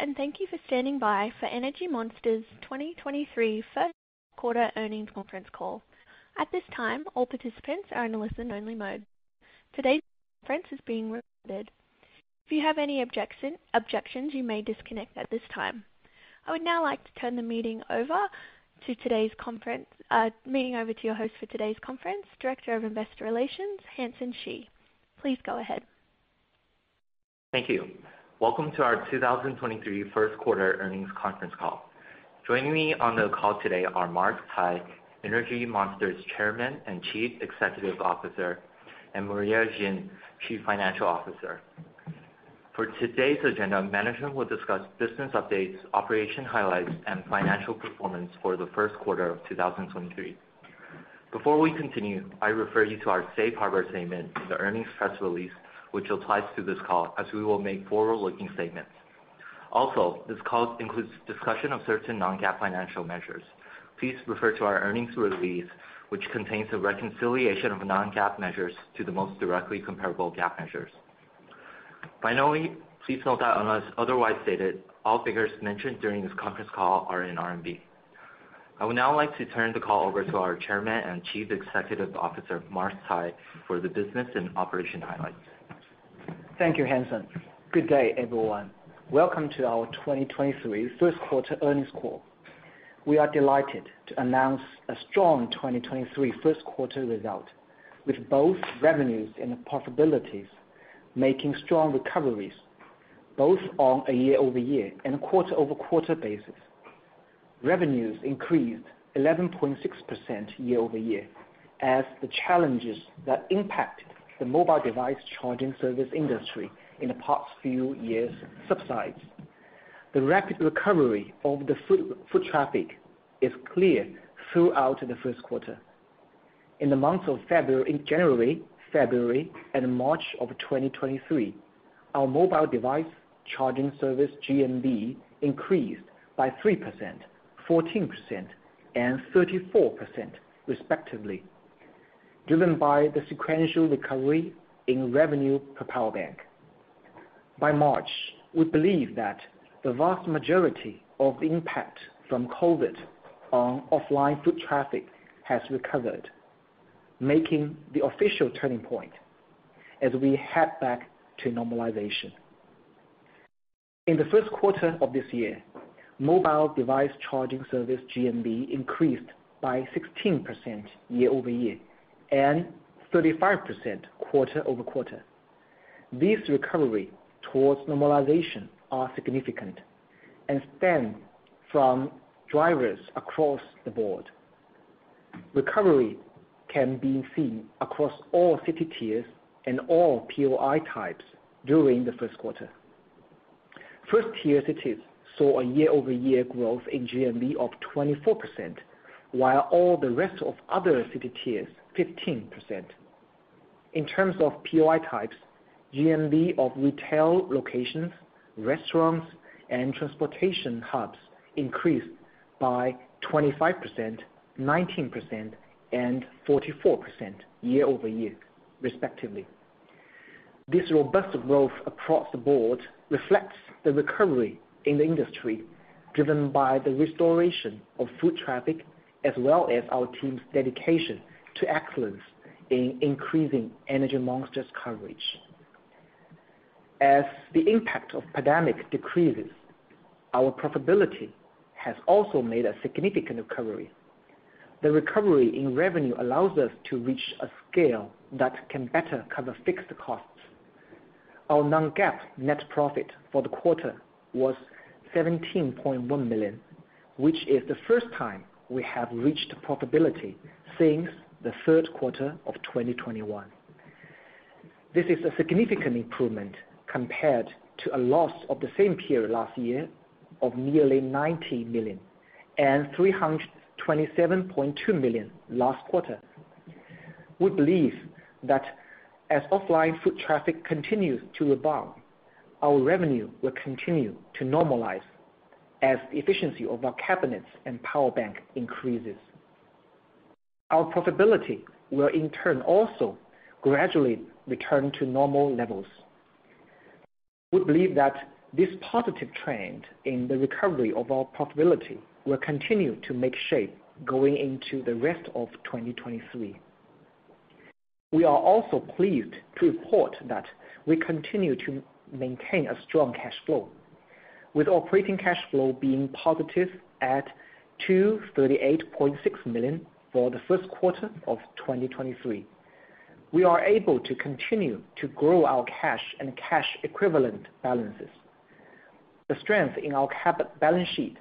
Hello, thank you for standing by for Energy Monster's 2023 first quarter earnings conference call. At this time, all participants are in a listen-only mode. Today's conference is being recorded. If you have any objections, you may disconnect at this time. I would now like to turn the meeting over to your host for today's conference, Director of Investor Relations, Hansen Shi. Please go ahead. Thank you. Welcome to our 2023 first quarter earnings conference call. Joining me on the call today are Mars Cai, Energy Monster's Chairman and Chief Executive Officer, and Maria Xin, Chief Financial Officer. For today's agenda, management will discuss business updates, operation highlights, and financial performance for the first quarter of 2023. Before we continue, I refer you to our safe harbor statement in the earnings press release, which applies to this call, as we will make forward-looking statements. This call includes discussion of certain non-GAAP financial measures. Please refer to our earnings release, which contains a reconciliation of non-GAAP measures to the most directly comparable GAAP measures. Finally, please note that unless otherwise stated, all figures mentioned during this conference call are in RMB. I would now like to turn the call over to our Chairman and Chief Executive Officer, Mars Cai, for the business and operation highlights. Thank you, Hansen. Good day, everyone. Welcome to our 2023 first quarter earnings call. We are delighted to announce a strong 2023 first quarter result, with both revenues and possibilities making strong recoveries, both on a year-over-year and a quarter-over-quarter basis. Revenues increased 11.6% year-over-year, as the challenges that impacted the mobile device charging service industry in the past few years subside. The rapid recovery of the foot traffic is clear throughout the first quarter. In January, February, and March of 2023, our mobile device charging service GMV increased by 3%, 14%, and 34%, respectively, driven by the sequential recovery in revenue per power bank. By March, we believe that the vast majority of the impact from COVID on offline foot traffic has recovered, making the official turning point as we head back to normalization. In the first quarter of this year, mobile device charging service GMV increased by 16% year-over-year and 35% quarter-over-quarter. This recovery towards normalization are significant and stem from drivers across the board. Recovery can be seen across all city tiers and all POI types during the first quarter. First-tier cities saw a year-over-year growth in GMV of 24%, while all the rest of other city tiers, 15%. In terms of POI types, GMV of retail locations, restaurants, and transportation hubs increased by 25%, 19%, and 44% year-over-year, respectively. This robust growth across the board reflects the recovery in the industry, driven by the restoration of foot traffic, as well as our team's dedication to excellence in increasing Energy Monster's coverage. As the impact of pandemic decreases, our profitability has also made a significant recovery. The recovery in revenue allows us to reach a scale that can better cover fixed costs. Our non-GAAP net profit for the quarter was 17.1 million, which is the first time we have reached profitability since the third quarter of 2021. This is a significant improvement compared to a loss of the same period last year of nearly 90 million and 327.2 million last quarter. We believe that as offline foot traffic continues to rebound, our revenue will continue to normalize as the efficiency of our cabinets and power bank increases. Our profitability will in turn also gradually return to normal levels. We believe that this positive trend in the recovery of our profitability will continue to make shape going into the rest of 2023. We are also pleased to report that we continue to maintain a strong cash flow, with operating cash flow being positive at 238.6 million for the first quarter of 2023. We are able to continue to grow our cash and cash-equivalent balances. The strength in our cabinet balance sheet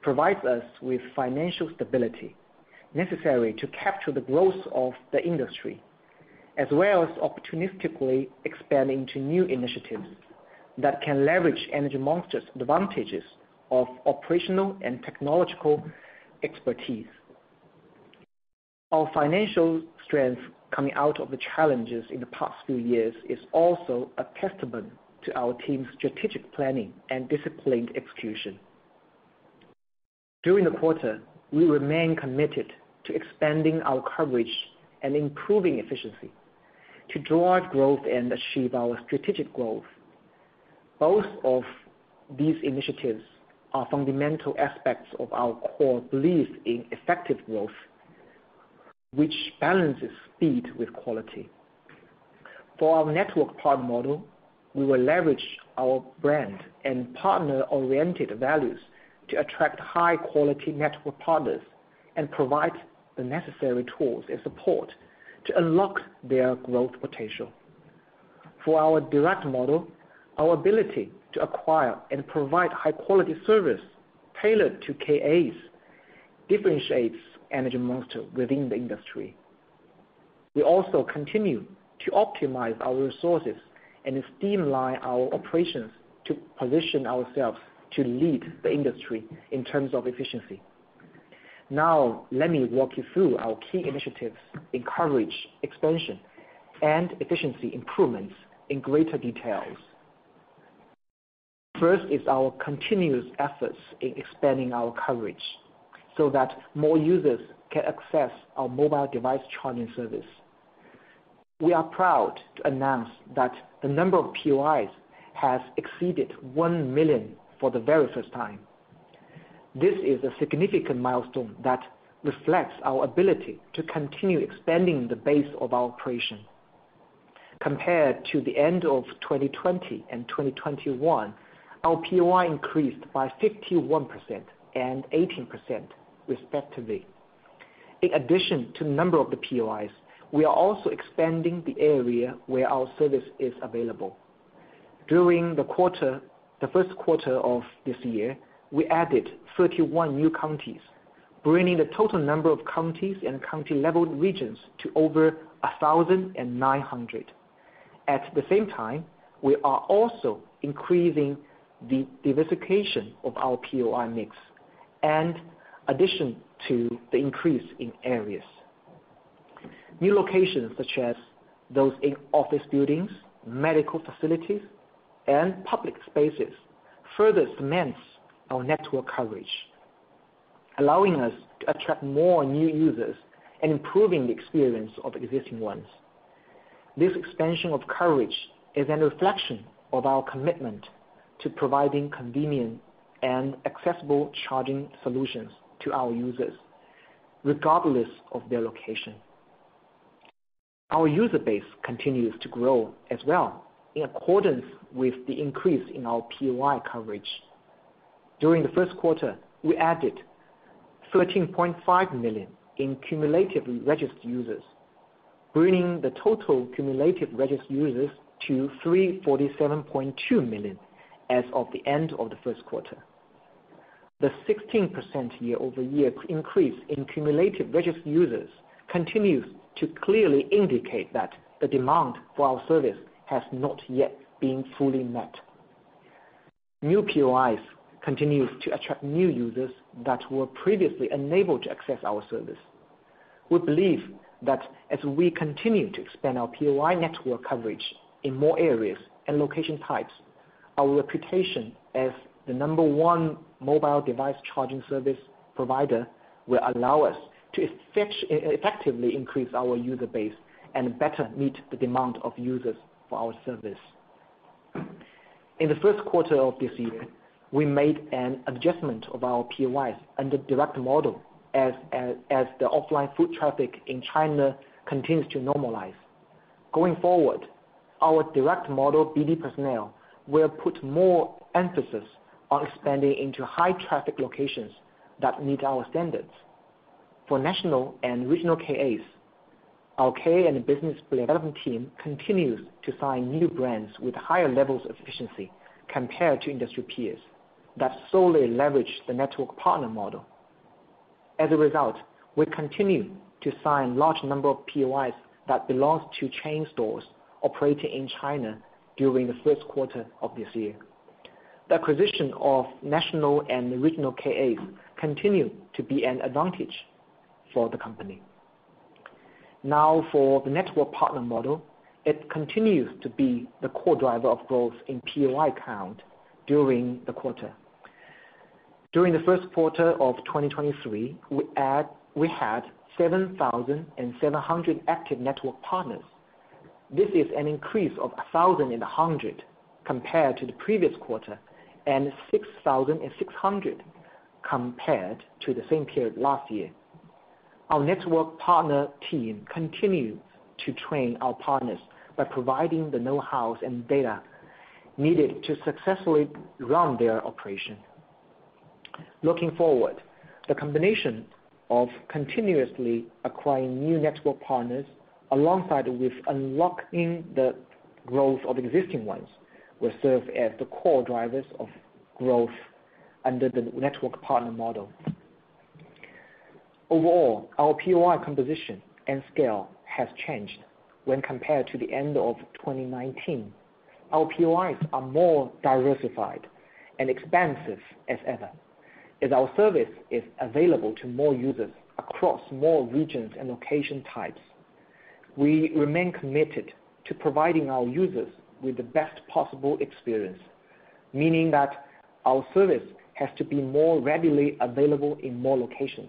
provides us with financial stability necessary to capture the growth of the industry, as well as opportunistically expand into new initiatives that can leverage Energy Monster's advantages of operational and technological expertise. Our financial strength coming out of the challenges in the past few years is also a testament to our team's strategic planning and disciplined execution. During the quarter, we remain committed to expanding our coverage and improving efficiency to drive growth and achieve our strategic growth. Both of these initiatives are fundamental aspects of our core belief in effective growth, which balances speed with quality. For our network partner model, we will leverage our brand and partner-oriented values to attract high-quality network partners and provide the necessary tools and support to unlock their growth potential. For our direct model, our ability to acquire and provide high-quality service tailored to KAs differentiates Energy Monster within the industry. We also continue to optimize our resources and streamline our operations to position ourselves to lead the industry in terms of efficiency. Now, let me walk you through our key initiatives in coverage, expansion, and efficiency improvements in greater details. First is our continuous efforts in expanding our coverage, so that more users can access our mobile device charging service. We are proud to announce that the number of POIs has exceeded 1 million for the very first time. This is a significant milestone that reflects our ability to continue expanding the base of our operation. Compared to the end of 2020 and 2021, our POI increased by 51% and 18%, respectively. In addition to number of the POIs, we are also expanding the area where our service is available. During the quarter, the first quarter of this year, we added 31 new counties, bringing the total number of counties and county-level regions to over 1,900. At the same time, we are also increasing the diversification of our POI mix, and addition to the increase in areas. New locations such as those in office buildings, medical facilities, and public spaces, further cements our network coverage, allowing us to attract more new users and improving the experience of existing ones. This expansion of coverage is a reflection of our commitment to providing convenient and accessible charging solutions to our users, regardless of their location. Our user base continues to grow as well, in accordance with the increase in our POI coverage. During the first quarter, we added 13.5 million in cumulative registered users, bringing the total cumulative registered users to 347.2 million as of the end of the first quarter. The 16% year-over-year increase in cumulative registered users continues to clearly indicate that the demand for our service has not yet been fully met. New POIs continues to attract new users that were previously unable to access our service. We believe that as we continue to expand our POI network coverage in more areas and location types, our reputation as the number one mobile device charging service provider will allow us to effectively increase our user base and better meet the demand of users for our service. In the first quarter of this year, we made an adjustment of our POIs under direct model as the offline foot traffic in China continues to normalize. Going forward, our direct model, BD personnel, will put more emphasis on expanding into high-traffic locations that meet our standards. For national and regional KAs, our KA and business development team continues to sign new brands with higher levels of efficiency compared to industry peers that solely leverage the network partner model. As a result, we continue to sign large number of POIs that belongs to chain stores operating in China during the first quarter of this year. The acquisition of national and regional KAs continue to be an advantage for the company. For the network partner model, it continues to be the core driver of growth in POI count during the quarter. During the first quarter of 2023, we had 7,700 active network partners. This is an increase of 1,100 compared to the previous quarter, and 6,600 compared to the same period last year. Our network partner team continue to train our partners by providing the know-hows and data needed to successfully run their operation. Looking forward, the combination of continuously acquiring new network partners, alongside with unlocking the growth of existing ones, will serve as the core drivers of growth under the network partner model. Overall, our POI composition and scale has changed when compared to the end of 2019. Our POIs are more diversified and expansive as ever, as our service is available to more users across more regions and location types.... We remain committed to providing our users with the best possible experience, meaning that our service has to be more readily available in more locations.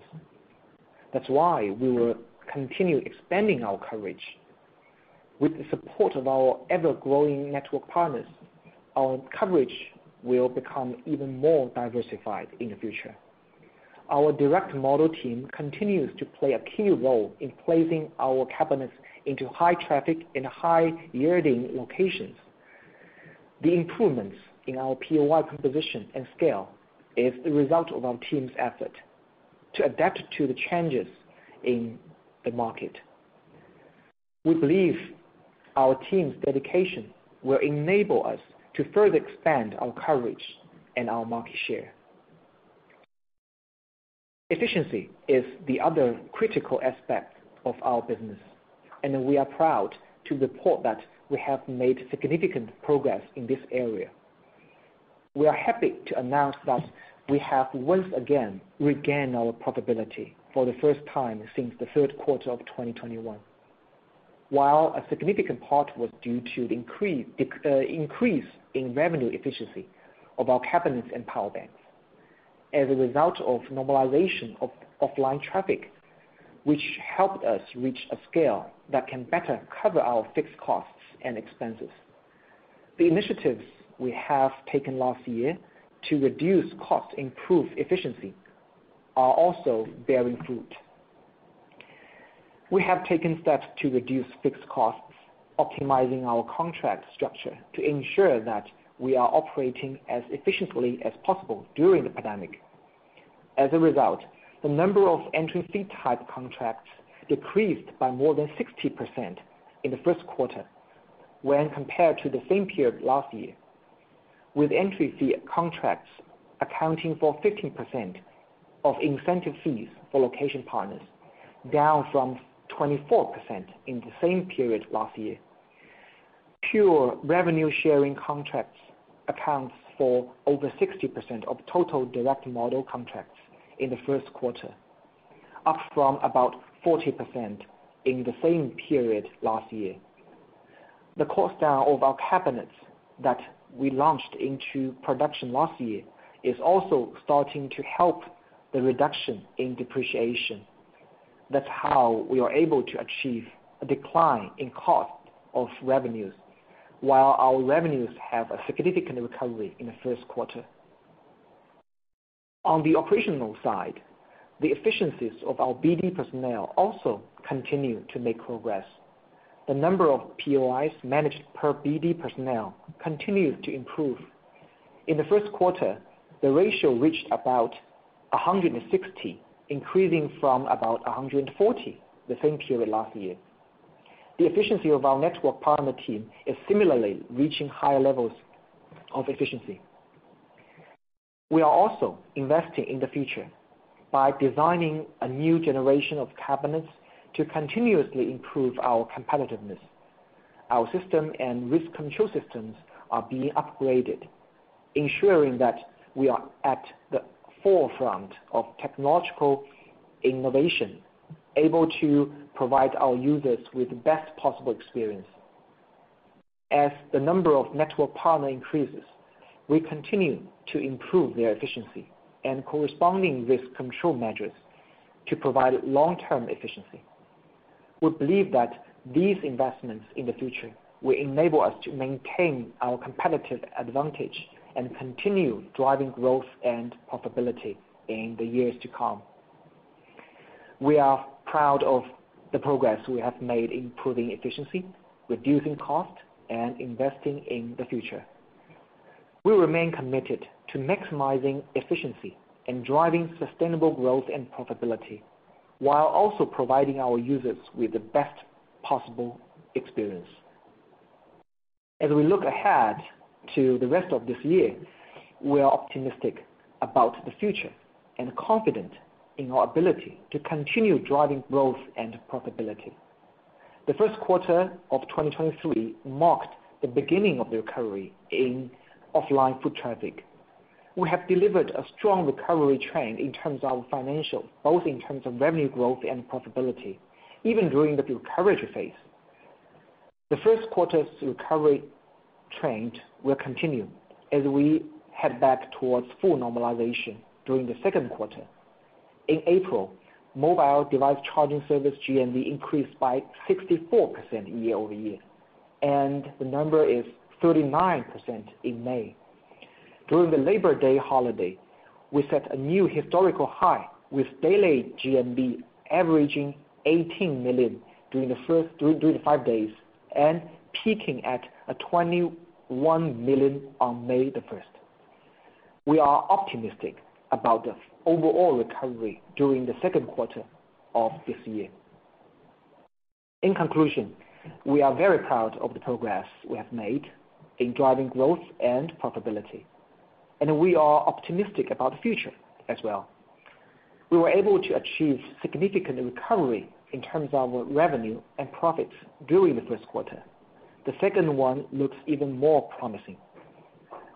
That's why we will continue expanding our coverage. With the support of our ever-growing network partners, our coverage will become even more diversified in the future. Our direct model team continues to play a key role in placing our cabinets into high traffic and high-yielding locations. The improvements in our POI composition and scale is the result of our team's effort to adapt to the changes in the market. We believe our team's dedication will enable us to further expand our coverage and our market share. Efficiency is the other critical aspect of our business, and we are proud to report that we have made significant progress in this area. We are happy to announce that we have once again regained our profitability for the first time since the third quarter of 2021. While a significant part was due to the increase in revenue efficiency of our cabinets and power banks as a result of normalization of offline traffic, which helped us reach a scale that can better cover our fixed costs and expenses. The initiatives we have taken last year to reduce costs, improve efficiency, are also bearing fruit. We have taken steps to reduce fixed costs, optimizing our contract structure to ensure that we are operating as efficiently as possible during the pandemic. As a result, the number of entry fee type contracts decreased by more than 60% in the first quarter when compared to the same period last year, with entry fee contracts accounting for 15% of incentive fees for location partners, down from 24% in the same period last year. Pure revenue-sharing contracts accounts for over 60% of total direct model contracts in the first quarter, up from about 40% in the same period last year. The cost down of our cabinets that we launched into production last year is also starting to help the reduction in depreciation. That's how we are able to achieve a decline in cost of revenues, while our revenues have a significant recovery in the first quarter. On the operational side, the efficiencies of our BD personnel also continue to make progress. The number of POIs managed per BD personnel continues to improve. In the first quarter, the ratio reached about 160, increasing from about 140 the same period last year. The efficiency of our network partner team is similarly reaching higher levels of efficiency. We are also investing in the future by designing a new generation of cabinets to continuously improve our competitiveness. Our system and risk control systems are being upgraded, ensuring that we are at the forefront of technological innovation, able to provide our users with the best possible experience. As the number of network partner increases, we continue to improve their efficiency and corresponding risk control measures to provide long-term efficiency. We believe that these investments in the future will enable us to maintain our competitive advantage and continue driving growth and profitability in the years to come. We are proud of the progress we have made in improving efficiency, reducing cost, and investing in the future. We remain committed to maximizing efficiency and driving sustainable growth and profitability, while also providing our users with the best possible experience. As we look ahead to the rest of this year, we are optimistic about the future and confident in our ability to continue driving growth and profitability. The first quarter of 2023 marked the beginning of the recovery in offline foot traffic. We have delivered a strong recovery trend in terms of financials, both in terms of revenue growth and profitability, even during the recovery phase. The first quarter's recovery trend will continue as we head back towards full normalization during the second quarter. In April, mobile device charging service GMV increased by 64% year-over-year, and the number is 39% in May. During the Labor Day holiday, we set a new historical high, with daily GMV averaging 18 million during the five days, and peaking at 21 million on May 1st, 2023. We are optimistic about the overall recovery during the second quarter of this year. In conclusion, we are very proud of the progress we have made in driving growth and profitability, and we are optimistic about the future as well. We were able to achieve significant recovery in terms of revenue and profits during the first quarter. The second one looks even more promising.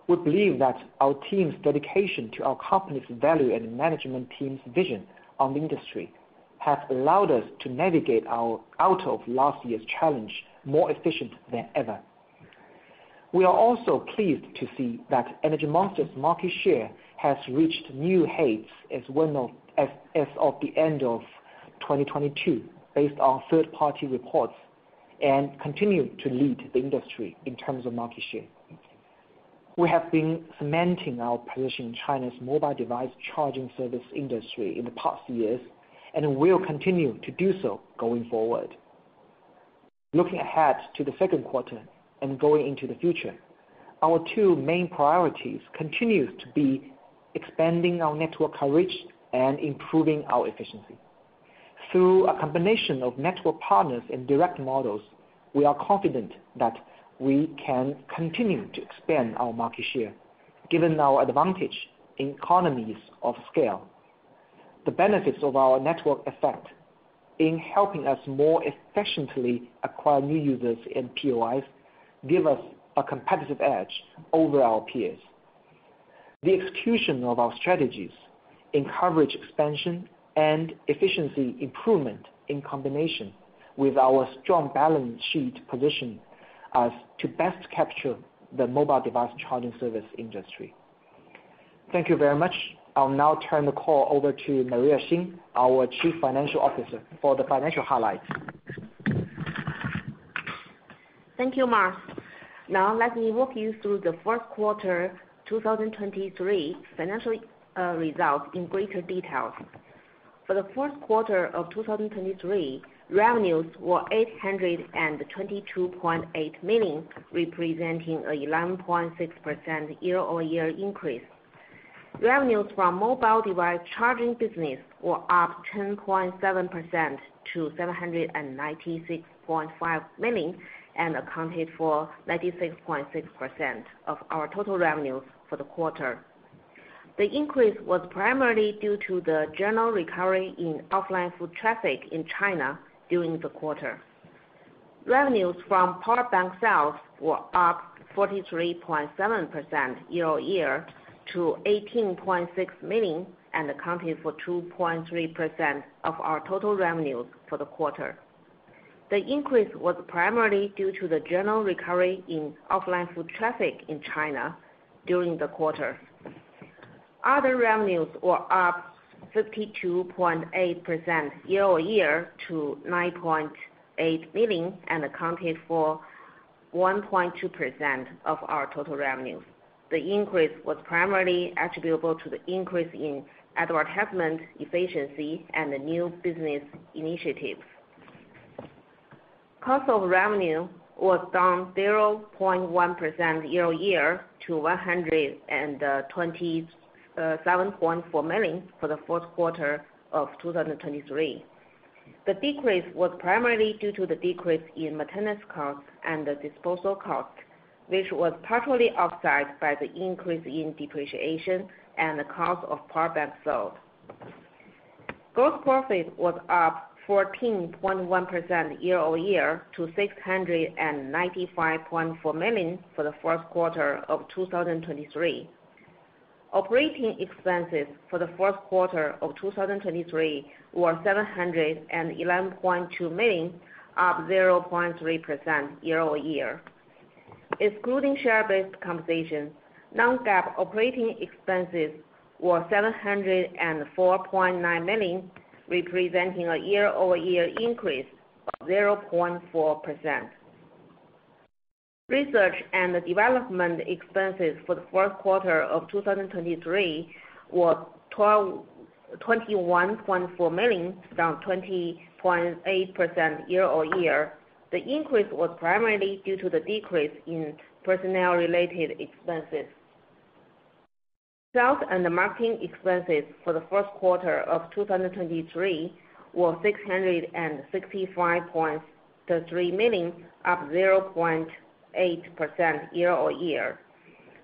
We believe that our team's dedication to our company's value and management team's vision on the industry, has allowed us to navigate out of last year's challenge, more efficient than ever. We are also pleased to see that Energy Monster's market share has reached new heights as of the end of 2022, based on third-party reports, and continue to lead the industry in terms of market share. We have been cementing our position in China's mobile device charging service industry in the past years, and we'll continue to do so going forward. Looking ahead to the second quarter and going into the future, our two main priorities continues to be expanding our network coverage and improving our efficiency. Through a combination of network partners and direct models, we are confident that we can continue to expand our market share, given our advantage in economies of scale. The benefits of our network effect in helping us more efficiently acquire new users and POIs, give us a competitive edge over our peers. The execution of our strategies in coverage expansion and efficiency improvement in combination with our strong balance sheet, position us to best capture the mobile device charging service industry. Thank you very much. I'll now turn the call over to Maria Xin, our Chief Financial Officer, for the financial highlights. Thank you, Mars Cai. Now, let me walk you through the fourth quarter 2023 financial results in greater details. For the fourth quarter of 2023, revenues were 822.8 million, representing an 11.6% year-over-year increase. Revenues from mobile device charging business were up 10.7% to 796.5 million, and accounted for 96.6% of our total revenues for the quarter. The increase was primarily due to the general recovery in offline foot traffic in China during the quarter. Revenues from power bank sales were up 43.7% year-over-year to 18.6 million, and accounted for 2.3% of our total revenues for the quarter. The increase was primarily due to the general recovery in offline foot traffic in China during the quarter. Other revenues were up 52.8% year-over-year to 9.8 million and accounted for 1.2% of our total revenues. The increase was primarily attributable to the increase in advertisement efficiency and the new business initiatives. Cost of revenue was down 0.1% year-over-year to 127.4 million for the fourth quarter of 2023. The decrease was primarily due to the decrease in maintenance costs and the disposal cost, which was partially offset by the increase in depreciation and the cost of power bank sold. Gross profit was up 14.1% year-over-year to 695.4 million for the fourth quarter of 2023. Operating expenses for the fourth quarter of 2023 were 711.2 million, up 0.3% year-over-year. Excluding share-based compensation, non-GAAP operating expenses were 704.9 million, representing a year-over-year increase of 0.4%. Research and development expenses for the fourth quarter of 2023 were RMB 21.4 million, down 20.8% year-over-year. The increase was primarily due to the decrease in personnel-related expenses. Sales and marketing expenses for the first quarter of 2023 were 665.3 million, up 0.8% year-over-year.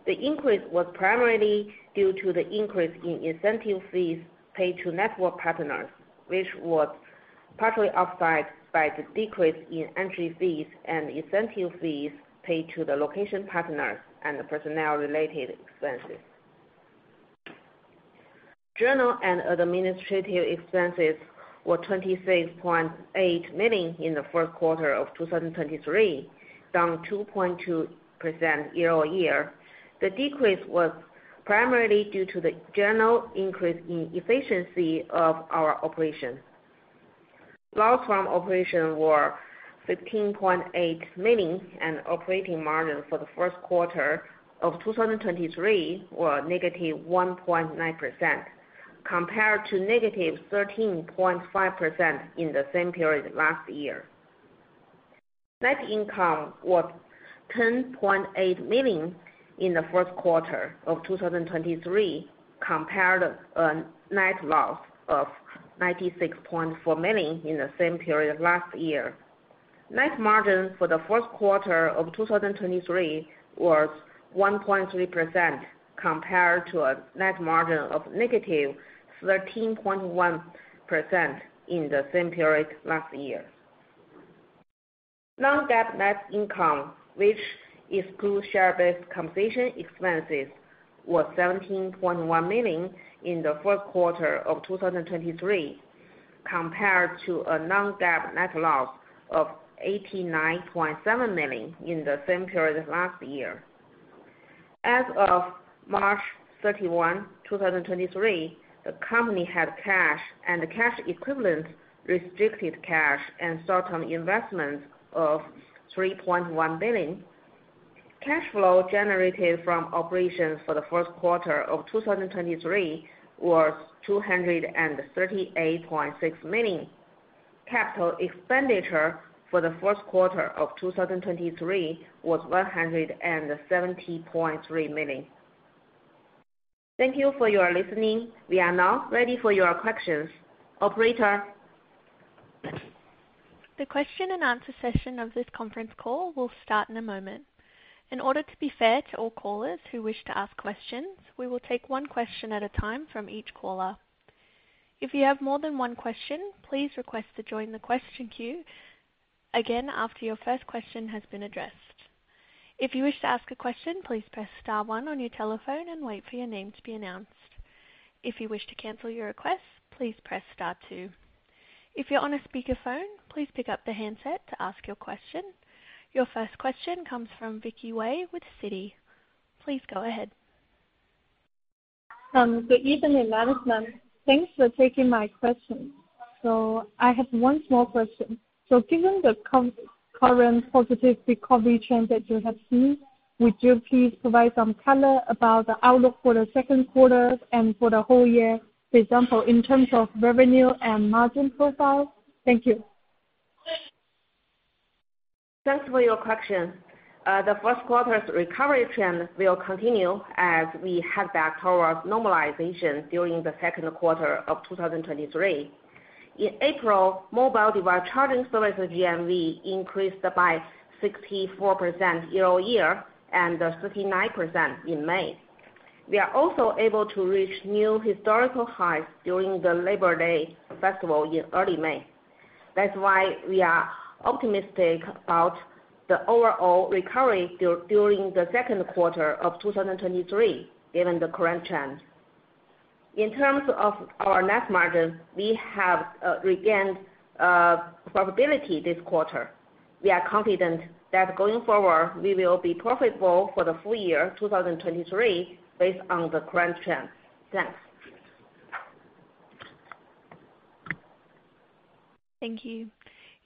The increase was primarily due to the increase in incentive fees paid to network partners, which was partially offset by the decrease in entry fees and incentive fees paid to the location partners and the personnel-related expenses. General and administrative expenses were 26.8 million in the fourth quarter of 2023, down 2.2% year-over-year. The decrease was primarily due to the general increase in efficiency of our operations. Loss from operation were 15.8 million, and operating margin for the first quarter of 2023, were negative 1.9%, compared to negative 13.5% in the same period last year. Net income was 10.8 million in the first quarter of 2023, compared a net loss of 96.4 million in the same period last year. Net margin for the fourth quarter of 2023, was 1.3% compared to a net margin of negative 13.1% in the same period last year. Non-GAAP net income, which excludes share-based compensation expenses, was RMB 17.1 million in Q4 2023, compared to a non-GAAP net loss of 89.7 million in the same period last year. As of March 31, 2023, the company had cash and cash equivalents, restricted cash and certain investments of 3.1 billion. Cash flow generated from operations for Q1 2023 was 238.6 million. Capital expenditure for Q1 2023 was 170.3 million. Thank you for your listening. We are now ready for your questions. Operator? The question-and-answer session of this conference call will start in a moment. In order to be fair to all callers who wish to ask questions, we will take one question at a time from each caller. If you have more than one question, please request to join the question queue again after your first question has been addressed. If you wish to ask a question, please press star one on your telephone and wait for your name to be announced. If you wish to cancel your request, please press star two. If you're on a speakerphone, please pick up the handset to ask your question. Your first question comes from Vicky Wei with Citi. Please go ahead. Good evening, management. Thanks for taking my question. I have one small question. Given the current positive recovery trend that you have seen, would you please provide some color about the outlook for the second quarter and for the whole year, for example, in terms of revenue and margin profile? Thank you. Thanks for your question. The first quarter's recovery trend will continue as we head back towards normalization during the second quarter of 2023. In April, mobile device charging services GMV increased by 64% year-over-year, and 39% in May. We are also able to reach new historical highs during the Labor Day festival in early May. That's why we are optimistic about the overall recovery during the second quarter of 2023, given the current trend. In terms of our net margin, we have regained profitability this quarter. We are confident that going forward, we will be profitable for the full year 2023, based on the current trend. Thanks. Thank you.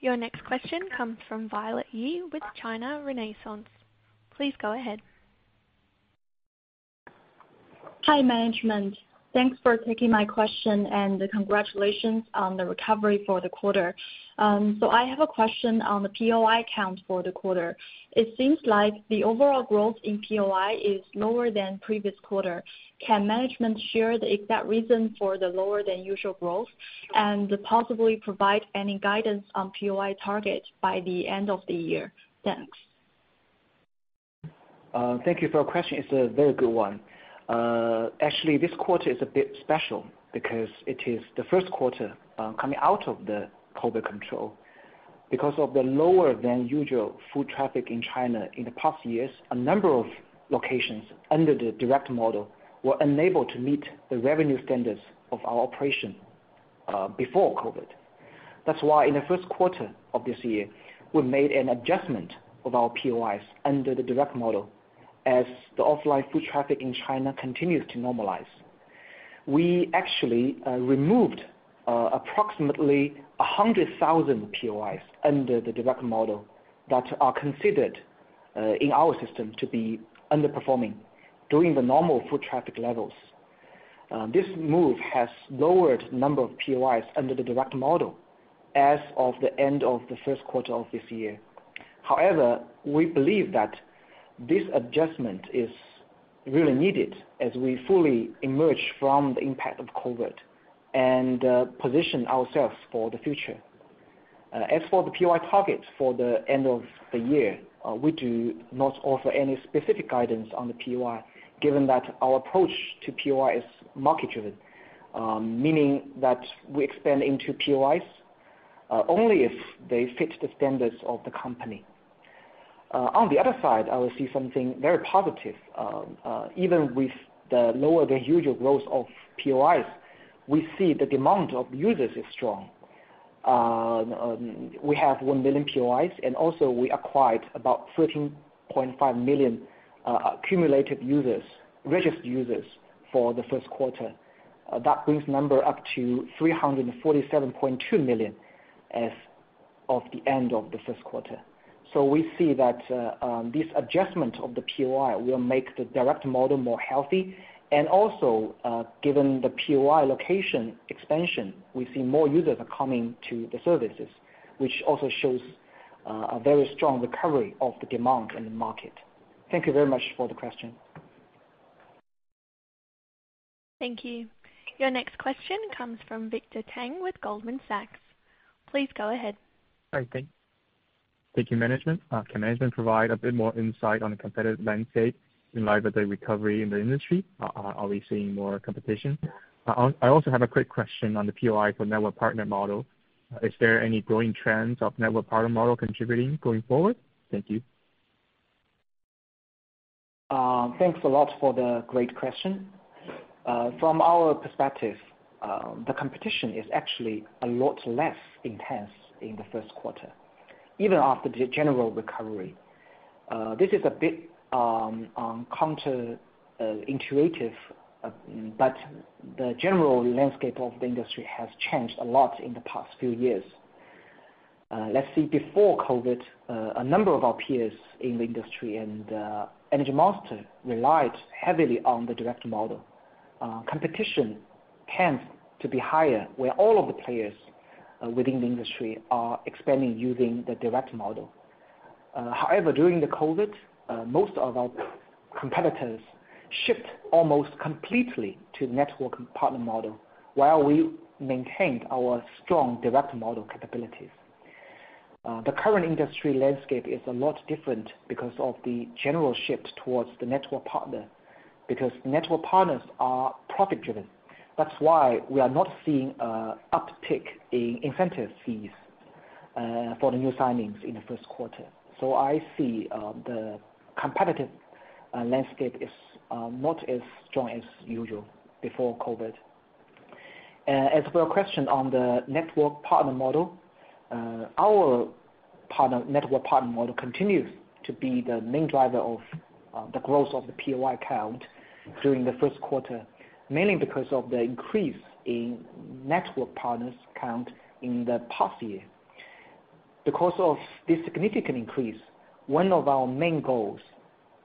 Your next question comes from Violet Yi with China Renaissance. Please go ahead. Hi, management. Thanks for taking my question, and congratulations on the recovery for the quarter. I have a question on the POI count for the quarter. It seems like the overall growth in POI is lower than previous quarter. Can management share the exact reason for the lower than usual growth, and possibly provide any guidance on POI target by the end of the year? Thanks. Thank you for your question. It's a very good one. Actually, this quarter is a bit special because it is the first quarter coming out of the COVID control. Because of the lower than usual foot traffic in China in the past years, a number of locations under the direct model were unable to meet the revenue standards of our operation before COVID. That's why, in the first quarter of this year, we made an adjustment of our POIs under the direct model as the offline foot traffic in China continues to normalize. We actually removed approximately 100,000 POIs under the direct model that are considered in our system to be underperforming during the normal foot traffic levels. This move has lowered the number of POIs under the direct model as of the end of the first quarter of this year. However, we believe that this adjustment is really needed as we fully emerge from the impact of COVID and position ourselves for the future. As for the POI targets for the end of the year, we do not offer any specific guidance on the POI, given that our approach to POI is market-driven, meaning that we expand into POIs only if they fit the standards of the company. On the other side, I will see something very positive. Even with the lower than usual growth of POIs, we see the demand of users is strong. We have 1 million POIs, and also we acquired about 13.5 million accumulated users, registered users for the first quarter. That brings the number up to 347.2 million as of the end of the first quarter. We see that this adjustment of the POI will make the direct model more healthy. Given the POI location expansion, we see more users are coming to the services, which also shows a very strong recovery of the demand in the market. Thank you very much for the question. Thank you. Your next question comes from Victor Teng with Goldman Sachs. Please go ahead. All right, thank you, management. Can management provide a bit more insight on the competitive landscape in light of the recovery in the industry? Are we seeing more competition? I also have a quick question on the POI for network partner model. Is there any growing trends of network partner model contributing going forward? Thank you. thanks a lot for the great question. From our perspective, the competition is actually a lot less intense in the first quarter, even after the general recovery. This is a bit counterintuitive, but the general landscape of the industry has changed a lot in the past few years. Let's see, before COVID, a number of our peers in the industry and Energy Monster relied heavily on the direct model. Competition tends to be higher, where all of the players within the industry are expanding using the direct model. However, during the COVID, most of our competitors shipped almost completely to the network partner model, while we maintained our strong direct model capabilities. The current industry landscape is a lot different because of the general shift towards the network partner, because network partners are profit-driven. That's why we are not seeing a uptick in incentive fees for the new signings in the first quarter. I see the competitive landscape is not as strong as usual before COVID. As for your question on the network partner model, our partner, network partner model continues to be the main driver of the growth of the POI count during the first quarter, mainly because of the increase in network partners count in the past year. Because of this significant increase, one of our main goals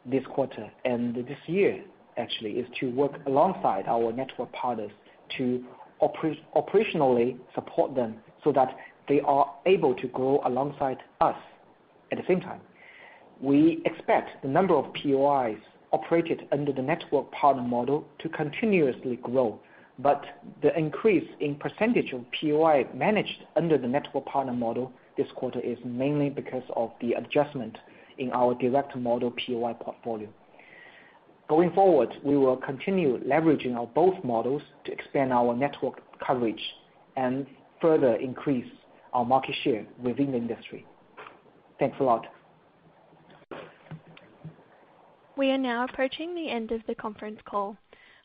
this quarter and this year, actually, is to work alongside our network partners to operationally support them, so that they are able to grow alongside us. At the same time, we expect the number of POIs operated under the network partner model to continuously grow. The increase in percentage of POI managed under the network partner model this quarter is mainly because of the adjustment in our direct model POI portfolio. Going forward, we will continue leveraging on both models to expand our network coverage and further increase our market share within the industry. Thanks a lot! We are now approaching the end of the conference call.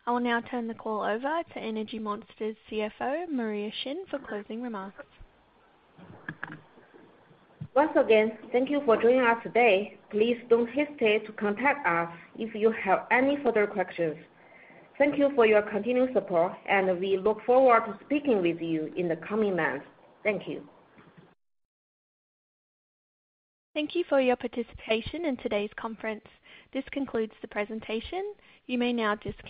I will now turn the call over to Energy Monster's CFO, Maria Xin, for closing remarks. Once again, thank you for joining us today. Please don't hesitate to contact us if you have any further questions. Thank you for your continued support, and we look forward to speaking with you in the coming months. Thank you. Thank you for your participation in today's conference. This concludes the presentation. You may now disconnect.